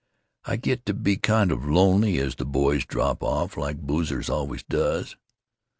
I get to be kind of lonely as de boys drop off—like boozers always does.